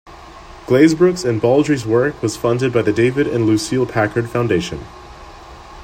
Glazebrook's and Baldry's work was funded by the David and Lucile Packard Foundation.